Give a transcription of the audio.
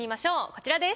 こちらです。